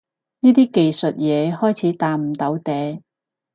呢啲技術嘢開始搭唔到嗲